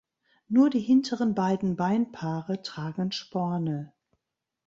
Nur die hinteren beiden Beinpaare tragen Sporne.